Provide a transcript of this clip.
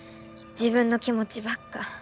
自分の気持ちばっか。